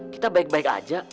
kita baik baik aja